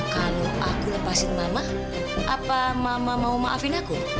kalau aku lepasin mama apa mama mau maafin aku